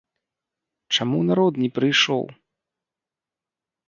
Чаму народ не прыйшоў?